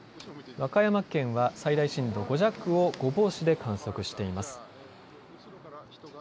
和歌山県は最大震度５弱を御坊市で観測しています。